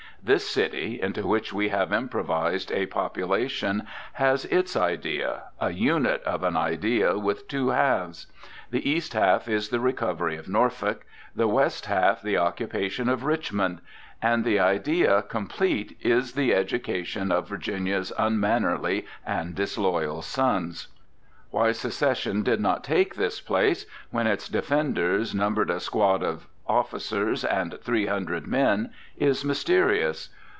This city, into which we have improvised a population, has its idea, a unit of an idea with two halves. The east half is the recovery of Norfolk, the west half the occupation of Richmond; and the idea complete is the education of Virginia's unmannerly and disloyal sons. Why Secession did not take this great place when its defenders numbered a squad of officers and three hundred men is mysterious.